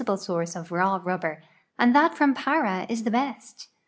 l source of raw rublxM'. and that from Para is the best.